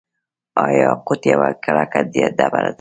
آیا یاقوت یوه کلکه ډبره ده؟